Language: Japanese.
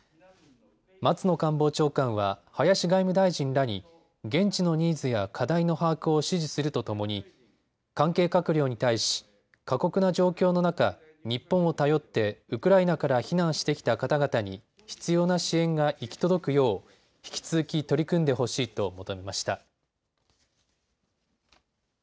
松野官房長官は林外務大臣らに現地のニーズや課題の把握を指示するとともに関係閣僚に対し過酷な状況の中、日本を頼ってウクライナから避難してきた方々に必要な支援が行き届くよう引き続き取り組んでほしいと求めました。